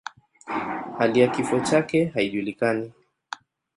Hali ya kifo chake haijulikani.